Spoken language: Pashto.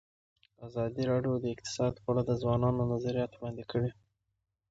ازادي راډیو د اقتصاد په اړه د ځوانانو نظریات وړاندې کړي.